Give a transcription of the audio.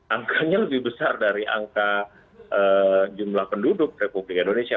angkanya lebih besar dari angka jumlah penduduk republik indonesia